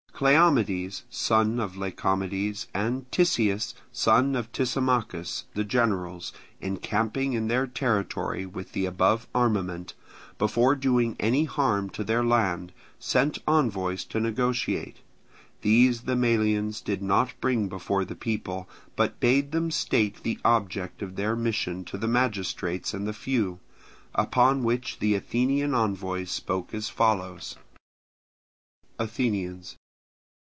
Cleomedes, son of Lycomedes, and Tisias, son of Tisimachus, the generals, encamping in their territory with the above armament, before doing any harm to their land, sent envoys to negotiate. These the Melians did not bring before the people, but bade them state the object of their mission to the magistrates and the few; upon which the Athenian envoys spoke as follows: Athenians.